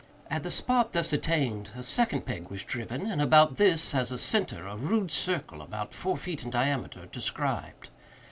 At the spot thus attained a second peg was driven, and about this, as a centre, a rude circle, about four feet in diameter, described.